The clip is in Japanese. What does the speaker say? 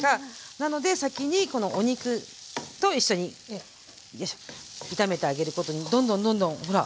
なので先にこのお肉と一緒によいしょ炒めてあげることにどんどんどんどんほら。